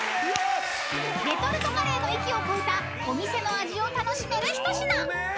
［レトルトカレーの域を超えたお店の味を楽しめる一品］